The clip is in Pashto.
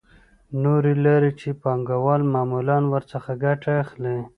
نورې لارې چې پانګوال معمولاً ورڅخه ګټه اخلي